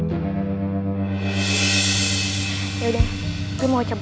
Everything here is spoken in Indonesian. ntar lo juga tau